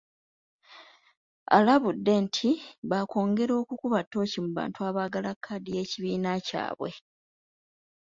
Alabudde nti baakwongera okukuba ttooci mu bantu abaagala kkaadi y'ekibiina kyabwe.